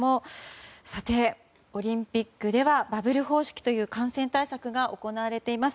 さて、オリンピックではバブル方式という感染対策が行われています。